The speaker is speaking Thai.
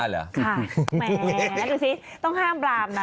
แหมดูสิต้องห้ามปรามนะ